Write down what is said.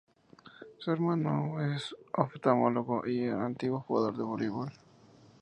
Su hermano es oftalmólogo y un antiguo jugador de voleibol.